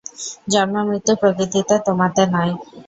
জন্মমৃত্যু প্রকৃতিতে, তোমাতে নয়।